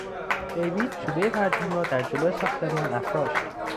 دیوید چوبهی پرچم را در جلو ساختمان افراشت.